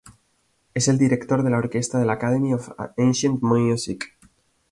Es el director de la orquesta de la Academy of Ancient Music.